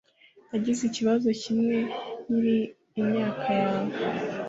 Nagize ikibazo kimwe nkiri imyaka yawe